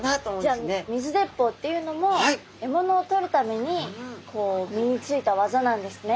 じゃあ水鉄砲っていうのも獲物をとるために身についたわざなんですね。